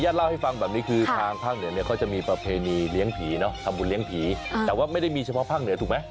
เล่าให้ฟังแบบนี้คือทางภาคเหนือเนี่ยเขาจะมีประเพณีเลี้ยงผีเนอะทำบุญเลี้ยงผีแต่ว่าไม่ได้มีเฉพาะภาคเหนือถูกไหม